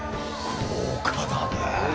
豪華だねえ。